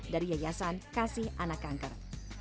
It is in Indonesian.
dari yayasan kasih anak kanker